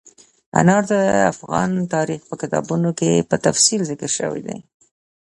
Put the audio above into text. انار د افغان تاریخ په کتابونو کې په تفصیل ذکر شوي دي.